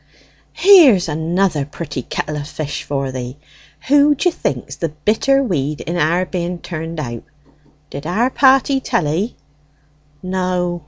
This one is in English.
"Here's another pretty kettle o' fish for thee. Who d'ye think's the bitter weed in our being turned out? Did our party tell 'ee?" "No.